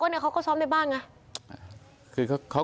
ก็เพิ่งปื้นที่บ้านเข้า